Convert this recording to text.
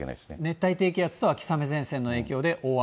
熱帯低気圧と秋雨前線の影響で、大雨。